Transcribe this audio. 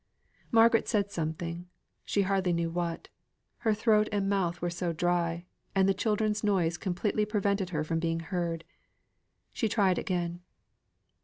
Margaret said something, she hardly knew what, her throat and mouth were so dry, and the children's noise completely prevented her from being heard. She tried again.